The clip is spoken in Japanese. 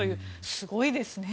すごいですね。